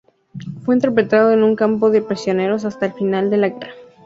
Fue internado en un campo de prisioneros hasta el final de la guerra.